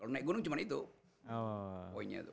kalau naik gunung cuma itu poinnya tuh